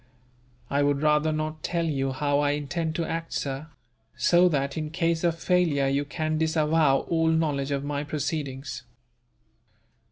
"I would rather not tell you how I intend to act, sir; so that, in case of failure, you can disavow all knowledge of my proceedings."